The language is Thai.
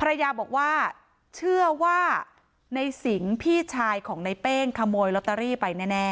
ภรรยาบอกว่าเชื่อว่าในสิงพี่ชายของในเป้งขโมยล็อตเตอรี่ไปแน่แน่